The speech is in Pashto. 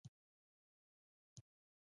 • خندېدل د خوشال ژوند راز دی.